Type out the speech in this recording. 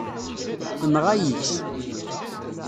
Tenɣa-yi-tt.